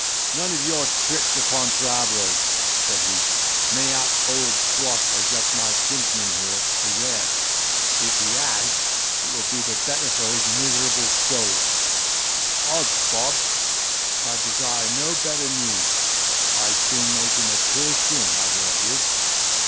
"None of your tricks upon travellers," said he; "mayhap old Bluff has left my kinsman here his heir: if he has, it will be the better for his miserable soul. Odds bob! I'd desire no better news. I'd soon make him a clear shin, I warrant you."